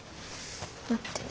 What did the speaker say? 待ってね。